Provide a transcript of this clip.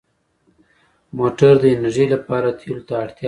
موټر د انرژۍ لپاره تېلو ته اړتیا لري.